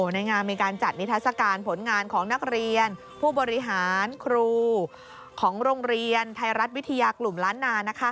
ในงานมีการจัดนิทัศกาลผลงานของนักเรียนผู้บริหารครูของโรงเรียนไทยรัฐวิทยากลุ่มล้านนา